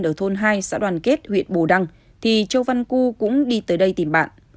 ở thôn hai xã đoàn kết huyện bù đăng thì châu văn cư cũng đi tới đây tìm bạn